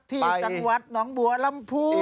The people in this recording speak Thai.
ที่จังหวัดหนองบัวลำพู